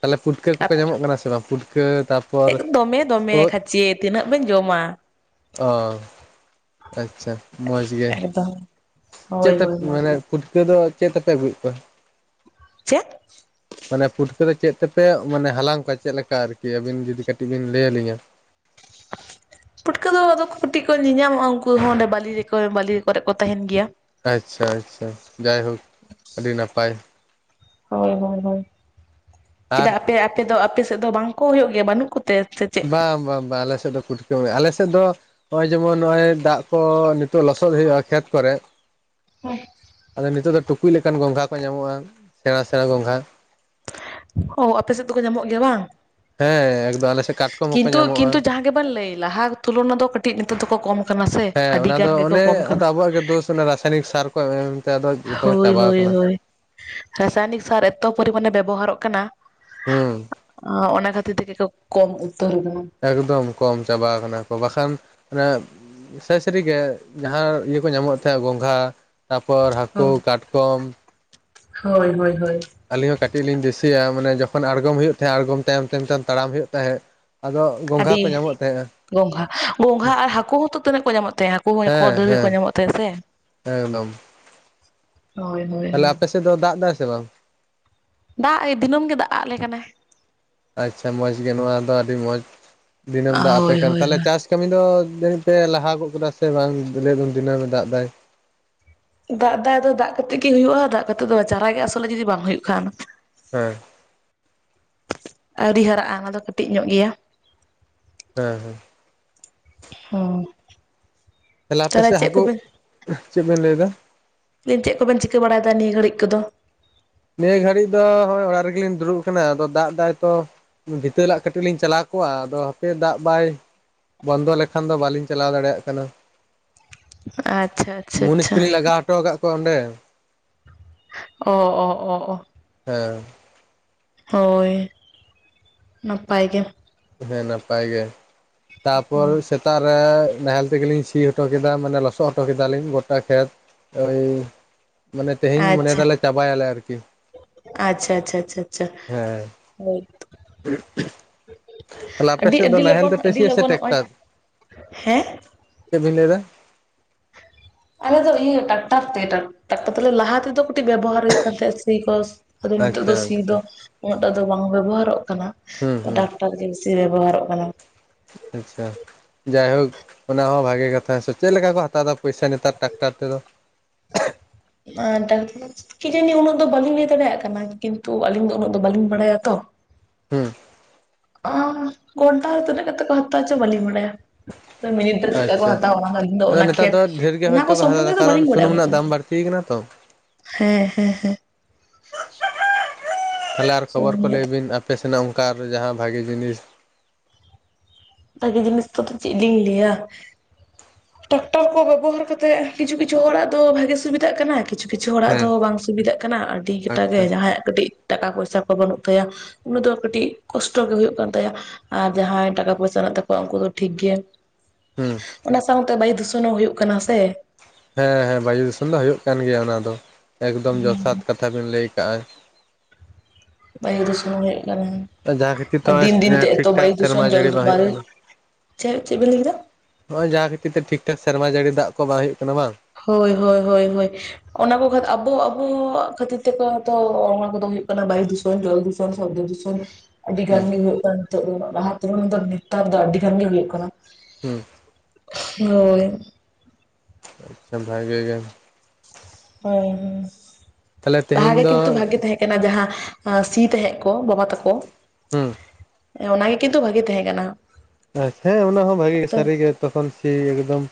ᱛᱟᱦᱚᱞᱮ ᱯᱩᱴᱠᱟᱹ ᱠᱚᱠᱚ ᱧᱟᱢᱚᱜ ᱠᱟᱱᱟ ᱥᱮ ᱵᱟᱝ ᱯᱩᱴᱠᱟᱹ ᱛᱟᱯ ᱮᱠ ᱫᱚᱢᱮ ᱫᱚᱢᱮ ᱠᱷᱟᱪᱮ ᱛᱤᱱᱟᱹᱜ ᱵᱤᱱ ᱡᱚᱢᱟ ᱚ ᱟᱪᱪᱷᱟ ᱢᱚᱡᱽ ᱜᱮ ᱮᱠᱫᱚᱢ ᱪᱮᱫ ᱦᱳᱭ ᱦᱳᱭ ᱛᱮᱯᱮ ᱢᱚᱡᱽ ᱢᱟᱱᱮ ᱜᱮ ᱯᱩᱴᱠᱟᱹ ᱫᱚ ᱪᱮᱫ ᱛᱮ ᱯᱮ ᱟᱹᱜᱩ ᱭᱮᱜ ᱠᱚᱣᱟ ᱪᱮᱫ ᱢᱟᱱᱮ ᱯᱷᱩᱴᱠᱟᱹ ᱫᱚ ᱪᱮᱫ ᱛᱮᱯᱮ ᱚ ᱢᱟᱱᱮ ᱦᱟᱞᱟᱝ ᱠᱚᱣᱟ ᱪᱮᱫ ᱞᱮᱠᱟ ᱟᱨ ᱠᱤ ᱟᱹᱵᱤᱱ ᱡᱩᱫᱤ ᱠᱟᱹᱴᱤᱡ ᱵᱤᱱ ᱞᱟᱹᱭ ᱟᱞᱤᱧᱟ ᱯᱩᱴᱠᱟᱹ ᱫᱚ ᱟᱫᱚ ᱠᱟᱹᱴᱤᱡ ᱠᱚ ᱧᱮᱧ ᱧᱟᱢᱚᱜ-ᱟ ᱩᱱᱠᱩ ᱦᱚᱸ ᱚᱸᱰᱮ ᱵᱟᱞᱤ ᱨᱮᱠᱚ ᱵᱟᱹᱞᱤ ᱨᱮ ᱠᱚᱨᱮ ᱠᱚ ᱛᱟᱦᱮᱱ ᱜᱮᱭᱟ ᱟᱪᱪᱷᱟ ᱟᱪᱪᱷᱟ ᱡᱟᱭᱦᱳᱠ ᱟᱹᱰᱤ ᱱᱟᱯᱟᱭ ᱦᱚᱭ ᱦᱚᱭ ᱦᱚᱭ ᱟᱨ ᱪᱮᱫᱟᱜ ᱟᱯᱮ ᱟᱯᱮ ᱫᱚ ᱟᱯᱮ ᱥᱮᱫ ᱫᱚ ᱵᱟᱝ ᱠᱚ ᱦᱳᱭᱳᱜ ᱜᱮᱭᱟ ᱵᱟᱱᱩᱜ ᱠᱚᱛᱮ ‌ᱥᱮ ᱵᱟ ᱵᱟᱝ ᱵᱟᱝ ᱟᱞᱮ ᱥᱮᱫ ᱫᱚ ᱯᱩᱴᱠᱟᱹᱢ ᱟᱞᱮ ᱥᱮᱫ ᱫᱚ ᱱᱚᱜ-ᱚᱭ ᱡᱮᱢᱚᱱ ᱱᱚᱜ-ᱚᱚᱭ ᱫᱟᱜ ᱠᱚ ᱱᱤᱛ ᱞᱚᱥᱚᱫ ᱦᱩᱭᱩᱜ-ᱟ ᱠᱷᱮᱛ ᱠᱚᱨᱮ ᱟᱫᱚ ᱱᱤᱛᱚᱜ ᱫᱚ ᱴᱩᱠᱩᱡ ᱞᱮᱠᱟᱱ ᱜᱚᱝᱜᱷᱟ ᱠᱚ ᱧᱟᱢᱚᱜ-ᱟ ᱥᱮᱸᱬᱟ ᱥᱮᱸᱬᱟ ᱜᱚᱝᱜᱷᱟ ᱚ ᱟᱯᱮ ᱥᱮᱫ ᱫᱚᱠᱚ ᱧᱟᱢᱚᱜ ᱜᱮᱭᱟ ᱵᱟᱝ ᱦᱮᱸ ᱮᱠᱫᱚᱢ ᱟᱞᱮ ᱥᱮᱫ ᱠᱟᱴᱠᱚᱢ ᱦᱚᱸᱠᱚ ᱧᱟᱢᱚᱜ-ᱟ ᱟᱵᱮᱱ ᱞᱟᱹᱭ ᱞᱟᱦᱟ ᱛᱩᱞᱚᱱᱟ ᱫᱚ ᱠᱟᱹᱴᱤᱡ ᱱᱤᱛᱚᱜ ᱫᱚᱠᱚ ᱠᱚᱢ ᱠᱟᱱᱟ ᱥᱮ ᱦᱮᱸ ᱟᱹᱰᱤ ᱚᱱᱟ ᱜᱟᱱ ᱫᱚ ᱜᱮᱠᱚ ᱚᱱᱮ ᱠᱚᱢ ᱠᱟᱱᱟ ᱟᱫᱚ ᱟᱵᱚᱣᱟᱜ ᱜᱮ ᱫᱳᱥ ᱨᱟᱥᱟᱭᱱᱤᱠ ᱥᱟᱨ ᱠᱚ ᱮᱢ ᱮᱢ ᱛᱮ ᱟᱫᱚ ᱡᱚᱛᱚ ᱠᱚ ᱦᱳᱭ ᱪᱟᱵᱟ ᱦᱳᱭ ᱟᱠᱟᱱᱟ ᱦᱳᱭ ᱨᱟᱥᱟᱭᱱᱤᱠ ᱥᱟᱨ ᱮᱛᱚ ᱯᱚᱨᱤᱢᱟᱱᱮ ᱵᱮᱵᱚᱦᱟᱨᱚᱜ ᱠᱟᱱᱟ ᱦᱩᱸ ᱚ ᱚᱱᱟ ᱠᱷᱟᱹᱛᱤᱨ ᱛᱮ ᱜᱮ ᱠᱚ ᱠᱚᱢ ᱩᱛᱟᱹᱨ ᱠᱟᱱᱟ ᱮᱠᱫᱚᱢ ᱠᱚᱢ ᱪᱟᱵᱟᱣ ᱠᱟᱱᱟ ᱠᱚ ᱵᱟᱠᱷᱟᱱ ᱢᱱᱟᱮ ᱥᱮ ᱥᱟᱹᱨᱤ ᱜᱮ ᱡᱟᱦᱟᱸ ᱤᱭᱟᱹ ᱠᱚ ᱧᱟᱢᱚᱜ ᱛᱮᱦᱮᱸᱜ ᱜᱚᱝᱜᱷᱦᱟᱼᱼ ᱛᱟᱯᱚᱨ ᱦᱟᱠᱩ ᱠᱟᱴᱠᱚᱢ᱾ ᱦᱳᱭ ᱦᱳᱭ ᱦᱳᱭ ᱟᱹᱞᱤᱧ ᱦᱚᱸ ᱠᱟᱹᱴᱤᱡ ᱞᱤᱧ ᱫᱤᱥᱤᱭᱟ ᱢᱟᱱᱮ ᱡᱚᱠᱷᱚᱱ ᱟᱲᱜᱚᱢ ᱦᱩᱭᱩᱜ ᱛᱮᱦᱮᱸᱜ ᱟᱲᱜᱚᱢ ᱛᱟᱭᱚᱢ ᱛᱟᱭᱚᱢ ᱛᱟᱲᱟᱢ ᱦᱩᱭᱩᱜ ᱛᱟᱦᱮᱸᱫ ᱟᱫᱚᱼᱼ ᱜᱚᱝᱜᱷᱦᱟ ᱟᱹᱰᱤ ᱠᱚ ᱧᱟᱢᱚᱜ ᱛᱮᱦᱮᱸᱜ᱾ ᱜᱚᱝᱜᱷᱟ ᱜᱚᱝᱜᱷᱟ ᱟᱨ ᱦᱟᱠᱩ ᱦᱚᱸᱛᱚ ᱛᱤᱱᱟᱹᱜ ᱠᱚ ᱧᱟᱢᱚᱜ ᱛᱮᱦᱮᱸᱜ ᱦᱟᱠᱩ ᱦᱚᱸ ᱠᱚ ᱦᱮᱸ ᱰᱟᱹᱨ ᱜᱮᱠᱚ ᱧᱟᱢᱚᱜ ᱛᱮᱦᱮᱸᱜ ᱥᱮ᱾ ᱦᱮᱸ ᱮᱠᱫᱚᱢ ᱦᱳᱭ ᱦᱳᱭ ᱛᱟᱦᱟᱞᱮ ᱦᱳᱭ ᱟᱯᱮ ᱥᱮᱫ ᱫᱚ ᱫᱟᱜ ᱫᱟᱭ ᱥᱮ ᱵᱟᱝ ᱫᱟᱜ ᱮ ᱫᱤᱱᱟᱹᱢ ᱜᱮ ᱫᱟᱜ-ᱟᱫ ᱞᱮ ᱠᱟᱱᱟᱭ ᱟᱪᱪᱷᱟ ᱢᱚᱸᱡᱽ ᱜᱮ ᱱᱩᱶᱟ ᱫᱚ ᱟᱰᱤ ᱢᱚᱸᱡᱽ ᱫᱤᱱᱟᱹᱢ ᱫᱟᱜ ᱟᱯᱮ ᱦᱳᱭ ᱦᱳᱭ ᱛᱟᱦᱚᱞᱮ ᱦᱳᱭ ᱪᱟᱥ ᱠᱟᱹᱢᱤ ᱫᱚ ᱡᱟᱹᱱᱤᱡ ᱯᱮ ᱞᱟᱦᱟ ᱜᱚᱫ ᱠᱟᱫᱟ ᱥᱮ ᱵᱟᱝ ᱫᱚ ᱞᱟᱹᱭ ᱫᱚᱱ ᱫᱤᱱᱟᱹᱢ ᱮ ᱫᱟᱜ ᱫᱟᱭ ᱫᱟᱜ ᱫᱟᱜ ᱫᱚ ᱫᱟᱜ ᱠᱟᱛᱮᱜ ᱜᱮ ᱦᱩᱭᱩᱜ-ᱟ ᱫᱟᱜ ᱠᱟᱛᱮᱫ ᱫᱚ ᱪᱟᱨᱟ ᱜᱮ ᱟᱥᱚᱞᱟᱜ ᱡᱩᱫᱤ ᱵᱟᱝ ᱦᱩᱭᱩᱜ ᱠᱷᱟᱱ ᱦᱮᱸ ᱟᱹᱣᱨᱤ ᱦᱟᱨᱟᱜᱼᱟ ᱚᱱᱟ ᱫᱚ ᱠᱟᱹᱴᱤᱡ ᱧᱚᱜ ᱜᱮᱭᱟ ᱦᱮᱸ ᱦᱮᱸ ᱦᱩᱸ ᱛᱟᱞᱦᱮ ᱟᱯᱮ ᱛᱟᱦᱚᱞᱮ ᱥᱮᱫ ᱪᱮᱫ ᱦᱟᱠᱩ ᱠᱚᱵᱮᱱ ᱪᱮᱫ ᱵᱮᱱ ᱞᱟᱹᱭᱫᱟ? ᱞᱟᱹᱭᱫᱟᱹᱧ ᱪᱮᱫ ᱠᱚᱵᱮᱱ ᱪᱤᱠᱟᱹ ᱵᱟᱲᱟᱭ ᱫᱟ ᱱᱤᱭᱟᱹ ᱜᱷᱟᱹᱲᱤᱡ ᱠᱩᱫᱚ? ᱱᱤᱭᱟᱹ ᱜᱷᱟᱹᱲᱤᱡ ᱫᱚ ᱦᱚᱸᱜ-ᱚᱭ ᱚᱲᱟᱜ ᱨᱮᱜᱮᱞᱤᱧ ᱫᱩᱲᱩᱵ ᱠᱟᱱᱟ ᱟᱫᱚ ᱫᱟᱜ ᱫᱟᱭ ᱛᱚ ᱵᱷᱤᱛᱟᱹ ᱞᱟᱜ ᱠᱟᱹᱴᱤᱡ ᱞᱤᱧ ᱪᱟᱞᱟᱣ ᱠᱚᱜ-ᱟ ᱟᱫᱚ ᱦᱟᱯᱮ ᱫᱟᱜ ᱵᱟᱭ ᱵᱚᱱᱫᱚ ᱞᱮᱠᱷᱟᱱ ᱫᱚ ᱵᱟᱞᱤᱧ ᱪᱟᱞᱟᱣ ᱫᱟᱲᱮᱭᱟᱜ ᱠᱟᱱᱟ᱾ ᱟᱪᱪᱷᱟ ᱟᱪᱪᱷᱟ ᱢᱩᱱᱤᱥ ᱟᱪᱪᱷᱟ ᱠᱩᱞᱤᱧ ᱞᱟᱜᱟᱣ ᱦᱚᱴᱚ ᱠᱟᱜ ᱠᱚᱣᱟ ᱚᱸᱰᱮ᱾ ᱚ ᱚ ᱚ ᱚ ᱦᱮᱸ ᱦᱳᱭ ᱱᱟᱯᱟᱭ ᱜᱮ ᱦᱮᱸ ᱱᱟᱯᱟᱭ ᱜᱮ ᱛᱟᱯᱚᱨ ᱦᱩᱸ ᱥᱮ ᱥᱮᱛᱟᱨᱮ ᱱᱟᱦᱮᱞ ᱛᱮᱜᱮᱞᱤᱧ ᱥᱤ ᱦᱚᱴᱚ ᱠᱮᱫᱟ ᱢᱟᱱᱮ ᱞᱚᱥᱚᱫ ᱦᱚᱴᱚ ᱠᱮᱫᱟᱞᱤᱧ ᱜᱚᱴᱟ ᱠᱷᱮᱛ ᱳᱭ ᱢᱟᱱᱮ ᱛᱮᱦᱮᱧ ᱢᱚᱱᱮᱭᱮᱫᱟᱞᱮ ᱪᱟᱵᱟᱭᱟᱞᱮ ᱟᱨᱠᱤ ᱟᱪᱷᱟ ᱟᱪᱷᱟ ᱟᱪᱷᱟ ᱟᱪᱷᱟ ᱦᱮᱸ ᱦᱳᱭ ᱛᱟᱦᱞᱮ ᱟᱯᱮ ᱟᱹᱰᱤ ᱥᱮᱫ ᱫᱚ ᱟᱹᱰᱤ ᱱᱟᱦᱮᱞ ᱞᱚᱜᱚᱱ ᱛᱮᱯᱮ ᱟᱹᱰᱤ ᱥᱤᱭᱟ ᱥᱮ ᱞᱚᱜᱚᱱ ᱱᱚᱜᱼᱚᱭ ᱴᱮᱠᱴᱟᱨ ᱦᱮᱸ ᱪᱮᱫ ᱵᱤᱱ ᱞᱮᱭᱫᱟ ᱟᱞᱮ ᱫᱚ ᱤᱭᱟᱹ ᱴᱟᱠᱴᱟᱨ ᱛᱮ ᱴᱟᱠᱴᱟᱨ ᱛᱮ ᱞᱟᱦᱟ ᱛᱮᱫᱚ ᱠᱟᱹᱴᱤᱡ ᱵᱮᱵᱚᱦᱟᱨ ᱦᱩᱭᱩᱜ ᱠᱟᱱ ᱛᱟᱦᱮᱸᱫ ᱥᱤ ᱠᱚ ᱟᱫᱚ ᱱᱤᱛᱚᱜ ᱟᱪᱪᱷᱟ ᱫᱚ ᱥᱤ ᱫᱚ ᱟᱪᱪᱷᱟ ᱩᱱᱟᱹᱜᱴᱟᱜ ᱫᱚ ᱵᱟᱝ ᱵᱮᱵᱚᱦᱟᱨᱚᱜ ᱠᱟᱱᱟ ᱦᱩᱸ ᱦᱩᱸ ᱴᱟᱠᱴᱟᱨ ᱜᱮ ᱥᱮ ᱵᱮᱵᱚᱦᱟᱨᱚᱜ ᱠᱟᱱᱟ ᱟᱪᱪᱷᱟ ᱡᱟᱭᱦᱳᱠ ᱚᱱᱟ ᱦᱚᱸ ᱵᱷᱟᱜᱮ ᱠᱟᱛᱷᱟ ᱥᱮ ᱪᱮᱫ ᱞᱮᱠᱟ ᱠᱚ ᱦᱟᱛᱟᱣ ᱮᱟ ᱯᱚᱭᱥᱟ ᱱᱮᱛᱟᱨ ᱴᱟᱠᱴᱟᱨ ᱛᱮᱫᱚ ᱰᱟᱠᱛᱟᱨ ᱠᱤᱡᱟᱱᱤ ᱩᱱᱟᱹᱜ ᱫᱚ ᱵᱟᱹᱞᱤᱧ ᱞᱟᱹᱭ ᱫᱟᱲᱮᱭᱟᱜ ᱠᱟᱱᱟ ᱠᱤᱱᱛᱩ ᱟᱞᱤᱧ ᱫᱚ ᱩᱱᱟᱹᱜ ᱫᱚ ᱵᱟᱹᱞᱤᱧ ᱵᱟᱲᱟᱭᱟᱛᱚ ᱦᱩᱸ ᱚ ᱜᱷᱚᱱᱴᱟ ᱨᱮ ᱛᱤᱱᱟᱹᱜ ᱠᱟᱛᱮ ᱠᱚ ᱦᱟᱚᱛᱟᱣ ᱵᱟᱞᱤᱧ ᱵᱟᱲᱟᱭᱟ ᱢᱤᱱᱤᱴ ᱨᱮ ᱪᱮᱫᱠᱟ ᱠᱚ ᱟᱪᱪᱷᱟ ᱦᱟᱛᱟᱣᱟ ᱚᱱᱟᱞᱤᱧ ᱫᱚ ᱟᱫᱚ ᱚᱱᱟ ᱱᱮᱛᱟᱨ ᱠᱷᱮᱛ ᱫᱚ ᱰᱷᱮᱨ ᱚᱱᱟ ᱠᱚ ᱥᱚᱢᱚᱱᱫᱷᱮ ᱫᱚ ᱵᱟᱹᱞᱤᱧ ᱵᱟᱲᱟᱭᱟ ᱩᱱᱟᱹᱜ-ᱴᱟ ᱫᱚ ᱴᱷᱤᱠᱱᱟ ᱛᱚ ᱦᱮᱸ ᱦᱮᱸ ᱦᱮᱸ ᱛᱟᱞᱦᱮ ᱟᱨ ᱠᱷᱚᱵᱚᱨ ᱠᱚ ᱦᱮᱸ ᱞᱟᱹᱭ ᱵᱤᱱ ᱟᱯᱮ ᱥᱮᱱᱟᱜ ᱚᱝᱠᱟ ᱡᱟᱦᱟᱸ ᱵᱷᱟᱜᱮ ᱡᱤᱱᱤᱥ ᱵᱷᱟᱜᱤ ᱡᱤᱱᱤᱥ ᱫᱚ ᱟᱫᱚ ᱪᱮᱫ ᱞᱤᱧ ᱞᱟᱹᱭᱟ ᱴᱟᱠᱴᱟᱨ ᱠᱚ ᱵᱮᱵᱚᱦᱟᱨ ᱠᱟᱛᱮᱫ ᱠᱤᱪᱷᱩ ᱠᱤᱪᱷᱩ ᱦᱚᱲᱟᱜ ᱫᱚ ᱵᱷᱟᱜᱮ ᱥᱩᱵᱤᱫᱷᱟᱜ ᱠᱟᱱᱟ ᱠᱤᱪᱷᱩ ᱠᱤᱪᱷᱩ ᱦᱚᱲᱟᱜ ᱦᱮᱸ ᱫᱚ ᱵᱟᱝ ᱥᱩᱵᱤᱫᱷᱟᱜ ᱠᱟᱱᱟ ᱟᱹᱰᱤ ᱠᱟᱴᱟᱜ ᱜᱮ ᱟᱪᱪᱷᱟ ᱡᱟᱦᱟᱸᱭᱟᱜ ᱠᱟᱹᱴᱤᱡ ᱴᱟᱠᱟ ᱯᱚᱭᱥᱟ ᱠᱚ ᱵᱟᱹᱱᱩᱜ ᱛᱟᱭᱟ ᱩᱱᱤ ᱫᱚ ᱠᱟᱹᱴᱤᱡ ᱠᱚᱥᱴᱚ ᱜᱮ ᱦᱩᱭᱩᱜᱭ ᱠᱟᱱ ᱛᱟᱭᱟ ᱟᱨ ᱡᱟᱦᱟᱸᱭ ᱴᱟᱠᱟ ᱯᱚᱭᱥᱟ ᱢᱮᱱᱟᱜ ᱛᱟᱠᱚᱣᱟ ᱩᱝᱠᱩ ᱫᱚ ᱴᱷᱤᱠ ᱜᱮ, ᱦᱩᱸ ᱚᱱᱟ ᱥᱟᱶᱛᱮ ᱵᱟᱭᱩ ᱫᱩᱥᱚᱱ ᱦᱚᱸ ᱦᱩᱭᱩᱜ ᱠᱟᱱᱟ ᱥᱮ ᱦᱮᱸ ᱦᱮᱸ ᱵᱟᱭᱩ ᱫᱤᱥᱚᱱ ᱫᱚ ᱦᱩᱭᱩᱜ ᱠᱟᱱ ᱜᱮᱭᱟ ᱚᱱᱟ ᱫᱚ ᱮᱠᱫᱚᱢ ᱡᱚᱛᱷᱟᱛ ᱠᱟᱛᱷᱟ ᱵᱮᱱ ᱞᱟᱹᱭ ᱠᱟᱜᱼᱟ ᱵᱟᱭᱩ ᱫᱩᱥᱚᱱ ᱦᱩᱭᱩᱜ ᱠᱟᱱᱟ ᱡᱟᱦᱟᱸ ᱠᱷᱟᱹᱛᱤᱨ ᱛᱮ ᱟᱨ ᱫᱤᱱ ᱫᱤᱱ ᱛᱮ ᱱᱚᱜᱼᱚᱭ ᱮᱛᱚ ᱴᱷᱤᱠ ᱴᱷᱟᱠ ᱵᱟᱭᱩ ᱥᱮᱨᱢᱟ ᱫᱩᱥᱚᱱ ᱡᱚᱞ ᱡᱟᱹᱲᱤ ᱵᱟᱝ ᱦᱩᱭᱩᱜ ᱵᱟᱭᱩ ᱠᱟᱱᱟ ᱪᱮᱫ ᱪᱮᱫ ᱵᱮᱤᱱ ᱞᱟᱹᱭ ᱠᱮᱫᱟ ᱦᱚᱸᱜ-ᱚᱭ ᱡᱟᱦᱟᱸ ᱠᱷᱟᱹᱛᱤᱨ ᱛᱮ ᱴᱷᱤᱠ-ᱴᱷᱟᱠ ᱥᱮᱨᱢᱟ ᱡᱟᱹᱲᱤ ᱫᱟᱜ ᱠᱚ ᱵᱟᱝ ᱦᱩᱭᱩᱜ ᱠᱟᱱᱟ ᱵᱟᱝ ᱦᱳᱭ ᱦᱳᱭ ᱦᱳᱭ ᱦᱳᱭ ᱚᱱᱟ ᱠᱚ ᱠᱷᱟᱛᱤᱨ ᱟᱵᱚ ᱟᱵᱚᱣᱟᱜ ᱠᱷᱟᱹᱛᱤᱨ ᱛᱮᱠᱚ ᱛᱚ ᱚᱱᱟ ᱠᱚᱫᱚ ᱦᱩᱭᱩᱜ ᱠᱟᱱᱟ ᱵᱟᱭᱩ ᱫᱩᱥᱚᱱ ᱡᱚᱞ ᱫᱩᱥᱚᱱ [unintelligible] ᱥᱚᱵᱫᱚ ᱫᱩᱥᱚᱱ ᱟᱹᱰᱤ ᱜᱟᱱ ᱦᱩᱸ ᱜᱮ ᱦᱩᱭᱩᱜ ᱠᱟᱱ ᱱᱤᱛᱚᱜ ᱫᱚ ᱞᱟᱦᱟᱛᱮ [unintelligible] ᱱᱮᱛᱟᱨ ᱫᱚ ᱟᱹᱰᱤ ᱜᱟᱱ ᱜᱮ ᱦᱩᱭᱩᱜ ᱠᱟᱱᱟ ᱦᱩᱸ ᱦᱳᱭ ᱟᱪᱪᱷᱟ ᱵᱷᱟᱜᱮ ᱜᱮ ᱦᱳ ᱛᱟᱦᱚᱞᱮ ᱞᱟᱦᱟ ᱜᱮ ᱛᱮᱦᱮᱧ ᱫᱚ ᱠᱤᱱᱛᱩ ᱵᱷᱟᱜᱤ ᱛᱟᱦᱮᱸ ᱚᱱᱟ ᱡᱟᱦᱟᱸ ᱥᱤ ᱛᱟᱦᱮᱸᱜ ᱠᱚ ᱵᱟᱵᱟ ᱛᱟᱠᱚ ᱦᱩᱸ ᱦᱮᱸ ᱚᱱᱟᱜᱮ ᱠᱤᱱᱛᱩ ᱵᱷᱟᱜᱤ ᱛᱟᱦᱮᱸ ᱠᱟᱱᱟ ᱟᱪᱪᱷᱟ ᱚᱱᱟ ᱦᱚᱸ ᱵᱷᱟᱜᱤ ᱜᱮ ᱛᱚ ᱥᱟᱹᱨᱤ ᱜᱮ ᱛᱚᱠᱷᱚᱱ ᱥᱤ ᱮᱠᱫᱚᱢ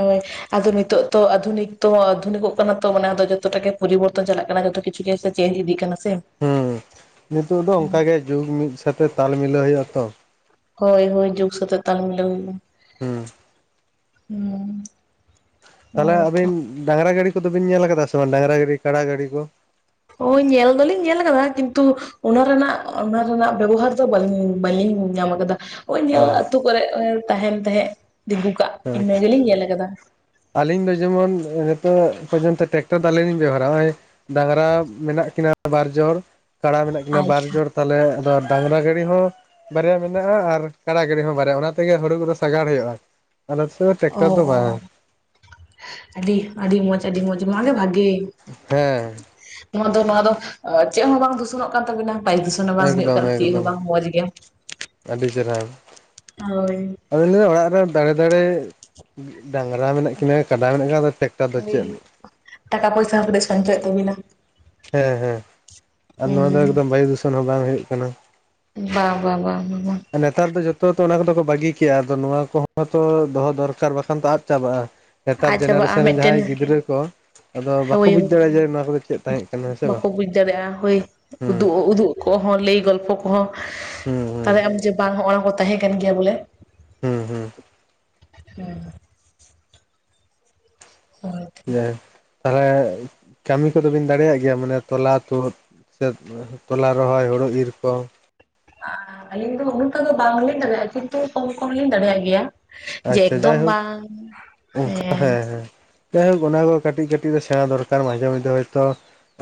ᱦᱳᱭ ᱟᱫᱚ ᱱᱤᱛᱚᱜ ᱛᱚ ᱟᱫᱷᱩᱱᱤᱠ ᱛᱚ ᱟᱫᱷᱩᱱᱤᱠᱚᱜ ᱠᱟᱱᱟ ᱛᱚ ᱢᱟᱱᱮ ᱟᱫᱚ ᱡᱚᱛᱚ ᱴᱟᱜ ᱜᱮ ᱯᱚᱨᱤᱵᱚᱨᱛᱚᱱ ᱪᱟᱞᱟᱜ ᱠᱟᱱᱟ ᱡᱚᱛᱚ ᱠᱤᱪᱷᱩ ᱪᱤᱠ ᱪᱮ ᱪᱮᱱᱧ ᱤᱫᱤᱜ ᱠᱟᱱᱟ ᱥᱮ ᱱᱤᱛᱳᱜ ᱫᱚ ᱚᱱᱠᱟ ᱜᱮ ᱡᱩᱜᱽ ᱢᱤᱫ ᱥᱟᱛᱮᱜ ᱛᱟᱞ ᱢᱤᱞᱟᱹᱣ ᱦᱩᱭᱩᱜᱼᱟ ᱛᱚ ᱦᱳᱭ ᱦᱳᱭ ᱡᱩᱜᱽ ᱥᱟᱛᱮᱜ ᱛᱟᱞ ᱢᱤᱞᱮ ᱦᱩᱭᱩᱜᱼᱟ ᱦᱩᱸ ᱦᱩᱸ ᱦᱮᱸ ᱛᱟᱦᱚᱞᱮ ᱛᱚ ᱟᱵᱤᱱ ᱰᱟᱸᱝᱨᱟ ᱜᱟᱹᱰᱤ ᱠᱚᱫᱚ ᱵᱤᱱ ᱧᱮᱞ ᱠᱟᱫᱟ ᱥᱮ ᱵᱟᱝ ᱰᱟᱸᱝᱨᱟ ᱜᱟᱹᱰᱤ ᱠᱟᱰᱟ ᱜᱟᱹᱰᱤ ᱠᱚ ᱦᱳᱭ ᱧᱮᱞ ᱫᱚᱞᱤᱧ ᱧᱮᱞ ᱠᱟᱫᱟ ᱠᱤᱱᱛᱩ ᱚᱱᱟ ᱨᱮᱱᱟᱜ ᱚᱱᱟ ᱨᱮᱱᱟᱜ ᱵᱮᱵᱚᱦᱟᱨ ᱫᱚ ᱵᱟᱹᱞᱤᱧ ᱵᱟᱹᱞᱤᱧ ᱧᱟᱢ ᱠᱟᱫᱟ ᱳᱭ ᱧᱮᱞ ᱚ ᱟᱹᱛᱩ ᱠᱚᱨᱮᱜ ᱛᱟᱸᱦᱮᱱ ᱛᱟᱦᱮᱸᱜ ᱛᱤᱸᱜᱩ ᱠᱟᱜ ᱦᱮᱸ ᱤᱱᱟᱹ ᱜᱮᱞᱤᱧ ᱧᱮᱞ ᱠᱟᱫᱟ ᱟᱹᱞᱤᱧ ᱫᱚ ᱡᱮᱢᱚᱱ ᱱᱤᱛᱚᱜ ᱯᱚᱨᱡᱚᱱᱛᱚ ᱴᱮᱠᱴᱚᱨ ᱫᱚ ᱟᱣᱨᱤ ᱞᱤᱧ ᱵᱮᱵᱚᱦᱟᱨᱟ ᱱᱚᱜᱼᱚᱭ ᱰᱟᱝᱨᱟ ᱢᱮᱱᱟᱜ ᱠᱤᱱᱟ ᱵᱟᱨ ᱡᱚᱲ ᱠᱟᱲᱟ ᱢᱮᱱᱟᱜ ᱠᱤᱱᱟ ᱵᱟᱨ ᱟᱪᱪᱷᱟ ᱡᱚᱲ ᱛᱟᱦᱞᱮ ᱟᱵᱟᱨ ᱰᱟᱝᱨᱟ ᱜᱟᱹᱲᱤ ᱦᱚᱸ ᱵᱟᱨᱭᱟ ᱢᱮᱱᱟᱜᱼᱟ ᱟᱨ ᱠᱟᱲᱟ ᱜᱟᱹᱲᱤ ᱦᱚᱸ ᱵᱟᱨᱭᱟ ᱚᱱᱟ ᱛᱮᱜᱮ ᱦᱩᱲᱩ ᱠᱚᱫᱚ ᱥᱟᱜᱟᱲ ᱦᱩᱭᱩᱜᱼᱟ ᱟᱞᱮ ᱥᱮᱫ ᱫᱚ ᱚ ᱴᱮᱠᱴᱟᱨ ᱫᱚ ᱵᱟᱝ ᱟᱹᱰᱤ ᱟᱹᱰᱤ ᱢᱚᱸᱡᱽ ᱟᱹᱰᱤ ᱢᱚᱸᱡᱽ ᱱᱚᱣᱟᱜᱮ ᱵᱷᱟᱜᱮ ᱦᱮᱸ ᱱᱚᱣᱟ ᱫᱚ ᱱᱚᱣᱟ ᱫᱚ ᱪᱮᱫ ᱦᱚᱸ ᱵᱟᱝ ᱫᱩᱥᱚᱱᱚᱜ ᱠᱟᱱ ᱛᱟᱵᱤᱱᱟ ᱵᱟᱭᱩᱫᱩᱥᱚᱱ ᱦᱚᱸ ᱵᱟᱝ ᱦᱩᱭᱩᱜ ᱮᱠᱫᱚᱢ ᱠᱟᱱᱟ ᱪᱮᱫ ᱦᱚᱸ ᱮᱠᱫᱚᱢ ᱵᱟᱝ ᱢᱚᱸᱡᱽ ᱜᱮ ᱟᱹᱰᱤ ᱪᱮᱨᱦᱟ ᱦᱳᱭ ᱟᱫᱚᱧ ᱞᱮᱭ ᱫᱟ ᱚᱲᱟᱜ ᱨᱮ ᱫᱟᱲᱮ ᱫᱟᱲᱮ ᱰᱟᱸᱝᱨᱟ ᱢᱮᱱᱟᱜ ᱠᱤᱱᱟᱹ ᱠᱟᱰᱟ ᱢᱮᱱᱟᱜ ᱠᱤᱱᱟ ᱟᱫᱚ ᱴᱮᱠᱴᱟᱨ ᱫᱚ ᱦᱳᱭ ᱪᱮᱫ ᱴᱟᱠᱟ ᱯᱩᱭᱥᱟ ᱦᱚᱸ ᱠᱟᱹᱴᱤᱡ ᱥᱚᱧᱪᱚᱭ ᱚᱜ ᱛᱟᱵᱤᱱᱟ ᱦᱮᱸ ᱦᱮᱸ ᱟᱨ ᱱᱚᱣᱟ ᱫᱚ ᱦᱩᱸ ᱮᱠᱫᱚᱢ ᱵᱟᱭᱩ ᱫᱷᱩᱥᱚᱱ ᱦᱚᱸ ᱵᱟᱝ ᱦᱩᱭᱩᱜ ᱠᱟᱱᱟ ᱵᱟᱝ ᱵᱟᱝ ᱵᱟᱝ ᱵᱟᱝ ᱱᱮᱛᱟᱨ ᱫᱚ ᱡᱷᱚᱛᱚ ᱛᱚ ᱚᱱᱟ ᱠᱚᱫᱚ ᱠᱚ ᱵᱟᱹᱜᱤ ᱠᱮᱜᱼᱟ ᱟᱫᱚ ᱱᱚᱣᱟ ᱠᱚᱦᱚᱸ ᱛᱚ ᱫᱚᱦᱚ ᱫᱚᱨᱠᱟᱨ ᱵᱟᱠᱷᱟᱱ ᱛᱚ ᱟᱫ ᱪᱟᱵᱟᱜᱼᱟ ᱱᱮᱛᱟᱨ ᱟᱡ ᱪᱟᱵᱟᱜᱼᱟ ᱡᱮᱱᱟᱨᱮᱥᱚᱱ ᱨᱮᱱ ᱢᱤᱫᱴᱮᱱ ᱡᱟᱦᱟᱸᱭ ᱜᱤᱫᱽᱨᱟᱹ ᱠᱚ ᱟᱫᱚ ᱵᱟᱠᱚ ᱦᱳᱭ ᱵᱩᱡᱽ ᱦᱳᱭ ᱫᱟᱲᱮᱭᱟᱜᱼᱟ ᱡᱮ ᱱᱚᱣᱟ ᱠᱚᱫᱚ ᱪᱮᱫ ᱛᱟᱦᱮᱸ ᱠᱟᱱᱟ ᱦᱮᱸ ᱥᱮ ᱵᱟᱝ ᱵᱟᱠᱚ ᱵᱩᱡ ᱫᱟᱲᱮᱭᱟᱜᱼᱟ ᱦᱳᱭ ᱦᱩᱸ ᱩᱫᱩᱜ ᱩᱫᱩᱜ ᱠᱚᱦᱚᱸ ᱞᱟᱹᱭ ᱜᱚᱞᱯᱚ ᱠᱚᱦᱚᱸ ᱦᱩᱸ ᱦᱩᱸ ᱛᱟᱦᱚᱞᱮ ᱟᱢ ᱡᱮ ᱵᱟᱝ ᱦᱚᱸᱜ ᱱᱚᱣᱟ ᱠᱚ ᱛᱟᱦᱮᱸ ᱠᱟᱱ ᱜᱮᱭᱟ ᱵᱚᱞᱮ ᱦᱩᱸ ᱦᱩᱸ ᱦᱮᱸ ᱦᱳᱭ ᱡᱟᱭᱡᱳᱠ ᱛᱟᱦᱚᱞᱮ ᱠᱟᱹᱢᱤ ᱠᱚᱫᱚ ᱵᱤᱱ ᱫᱟᱲᱮᱭᱟᱜ ᱜᱮᱭᱟ ᱢᱟᱱᱮ ᱛᱚᱞᱟ ᱛᱩᱫ ᱥᱮ ᱛᱚᱞᱟ ᱨᱚᱦᱚᱭ ᱦᱳᱲᱳ ᱤᱨ ᱠᱚ ᱟᱸ ᱟᱹᱞᱤᱧ ᱫᱚ ᱩᱱᱟᱹᱜ ᱴᱟ ᱫᱚ ᱵᱟᱝ ᱞᱤᱧ ᱫᱟᱲᱮᱭᱟᱜᱼᱟ ᱠᱤᱱᱛᱩ ᱠᱚᱢ ᱠᱚᱢ ᱞᱤᱧ ᱫᱟᱲᱮᱭᱟᱜ ᱜᱮᱭᱟ ᱡᱮ ᱟᱪᱪᱷᱟ ᱮᱠᱫᱚᱢ ᱡᱟᱭᱦᱳᱠ ᱵᱟᱝ ᱦᱮᱸ ᱡᱟᱭ ᱦᱳᱠ ᱚᱱᱟ ᱠᱚ ᱠᱟᱹᱴᱤᱡ ᱠᱟᱹᱴᱤᱡ ᱫᱚ ᱥᱮᱸᱬᱟ ᱫᱚᱨᱠᱟᱨ ᱢᱟᱡᱷᱮᱼᱢᱚᱭᱫᱷᱮ ᱦᱚᱭ ᱛᱚ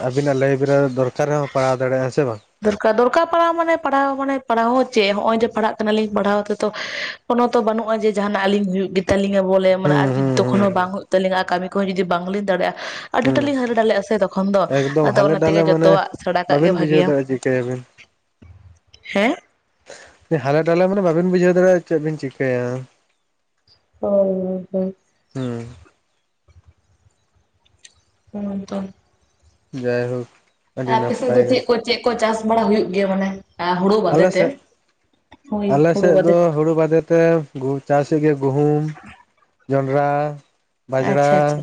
ᱟᱵᱤᱱᱟᱜ ᱞᱟᱭ ᱵᱮᱨᱟ ᱨᱮ ᱫᱚᱨᱠᱟᱨ ᱦᱚᱸ ᱯᱟᱲᱟᱣ ᱫᱟᱲᱭᱟᱜᱼᱟ ᱦᱮᱸ ᱥᱮ ᱵᱟᱝ ᱫᱚᱨᱠᱟᱨ ᱫᱚᱨᱠᱟᱨ ᱯᱟᱲᱟᱣ ᱢᱟᱱᱮ ᱯᱟᱲᱦᱟᱣ ᱢᱟᱱᱮ ᱯᱟᱲᱦᱟᱣ ᱦᱚᱸ ᱪᱮᱫ ᱦᱚᱸᱜᱼᱚᱭ ᱡᱮ ᱯᱟᱲᱦᱟᱜ ᱠᱟᱱᱟᱞᱤᱧ ᱯᱟᱲᱦᱟᱣ ᱛᱮᱛᱚ ᱠᱚᱱᱳ ᱛᱚ ᱵᱟᱹᱱᱩᱜᱼᱟ ᱡᱮ ᱡᱟᱸᱦᱟᱱᱟᱜ ᱟᱹᱞᱤᱧ ᱦᱩᱭᱩᱜ ᱜᱮ ᱛᱟᱞᱤᱧᱟ ᱵᱚᱞᱮ ᱢᱟᱱᱮ ᱦᱩᱸ ᱟᱨ ᱡᱩᱫᱤ ᱦᱩᱸ ᱦᱩᱸ ᱛᱚᱠᱷᱚᱱ ᱦᱚᱸ ᱦᱩᱸ ᱵᱟᱝ ᱦᱩᱭᱩᱜ ᱛᱟᱹᱤᱧᱟ ᱠᱟᱹᱢᱤ ᱠᱚᱦᱚᱸ ᱡᱩᱫᱤ ᱵᱟᱝ ᱞᱤᱧ ᱫᱟᱲᱮᱭᱟᱜᱼᱟ ᱟᱹᱰᱤ ᱴᱟ ᱦᱩᱸ ᱞᱤᱧ ᱦᱟᱞᱮ ᱰᱟᱞᱮᱜᱼᱟ ᱥᱮ ᱛᱚᱠᱷᱚᱱ ᱫᱚ ᱮᱠᱫᱚᱢ ᱟᱫᱚ ᱦᱟᱞᱮ ᱚᱱᱟ ᱛᱮᱜᱮ ᱡᱚᱛᱚ ᱟᱜ ᱥᱮᱸᱬᱟ ᱠᱟᱜ ᱜᱮ ᱵᱷᱟᱜᱮᱭᱟ ᱪᱤᱠᱟᱹᱭ ᱟᱵᱤᱱ ᱦᱮᱸ ᱦᱟᱞᱮ ᱰᱟᱞᱮ ᱢᱟᱱᱮ ᱵᱟᱵᱤᱱ ᱵᱩᱡᱷᱟᱹᱣ ᱫᱟᱲᱮᱭᱟᱜᱼᱟ ᱪᱮᱫ ᱵᱤᱱ ᱪᱤᱠᱟᱹᱭᱟ ᱚ ᱦᱩᱸ ᱦᱩᱸ ᱦᱩᱸ ᱛᱚ ᱡᱟᱭ ᱦᱳᱠ ᱟᱯᱮ ᱥᱮᱫ ᱫᱚ ᱪᱮᱫ ᱠᱚ ᱪᱮᱫ ᱠᱚ ᱪᱟᱥ ᱵᱟᱲᱟ ᱦᱩᱭᱩᱜ ᱜᱮᱭᱟ ᱢᱟᱱᱮ ᱦᱩᱲᱩ ᱵᱟᱫᱮ ᱟᱞᱮ ᱛᱮ? ᱥᱮᱫ ᱦᱳᱭ ᱟᱞᱮ ᱦᱩᱲᱩ ᱥᱮᱫ ᱵᱟᱫᱮ ᱫᱚ ᱦᱩᱲᱩ ᱵᱟᱫᱮ ᱛᱚ ᱪᱟᱥᱮᱜ ᱜᱮ ᱜᱩᱦᱩᱢ ᱡᱚᱸᱰᱨᱟ ᱵᱟᱡᱽᱲᱟ ᱟᱪᱪᱷᱟ ᱟᱪᱪᱷᱟ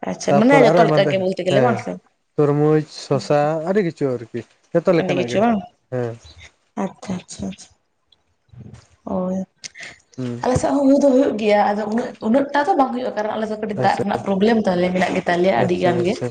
ᱟᱪᱪᱷᱟ ᱛᱟᱨᱯᱚᱨ ᱢᱟᱱᱮ ᱟᱨᱚ ᱡᱚᱛᱚ ᱮᱢᱟᱱ ᱞᱮᱠᱟ ᱜᱮ ᱛᱮᱭᱟᱜ ᱵᱚᱞᱛᱮ ᱜᱮᱞᱮ ᱵᱟᱝ ᱦᱮᱸ ᱥᱮ ᱛᱩᱨᱢᱩᱡᱽ ᱥᱚᱥᱟ ᱟᱹᱰᱤ ᱠᱤᱪᱷᱩ ᱟᱨᱠᱤ ᱡᱚᱛᱚ ᱟᱹᱰᱤ ᱞᱮᱠᱟᱱᱟᱜ ᱠᱤᱪᱷᱩ ᱜᱮ ᱵᱟᱝ ᱦᱮᱸ ᱟᱪᱪᱷᱟ ᱟᱪᱪᱷᱟ ᱟᱪᱪᱷᱟ ᱦᱳᱭ ᱦᱩᱸ ᱟᱞᱮ ᱥᱮᱫ ᱦᱚᱸ ᱦᱩᱭ ᱫᱚ ᱦᱩᱭᱩᱜ ᱜᱮᱭᱟ ᱟᱫᱚ ᱩᱱᱟᱹᱜ ᱩᱱᱟᱹᱜ-ᱴᱟ ᱫᱚ ᱵᱟᱝ ᱦᱩᱭᱩᱜᱼᱟ ᱠᱟᱨᱚᱱ ᱟᱞᱮ ᱫᱚ ᱠᱟᱹᱴᱤᱡ ᱫᱟᱜ ᱟᱪᱪᱷᱟ ᱨᱮᱱᱟᱜ ᱯᱨᱚᱵᱞᱮᱢ ᱛᱟᱞᱮ ᱢᱮᱱᱟᱜ ᱜᱮ ᱛᱟᱞᱮᱭᱟ ᱟᱹᱰᱤ ᱟᱪᱪᱷᱟ ᱜᱟᱱ ᱜᱮ ᱟᱪᱪᱷᱟ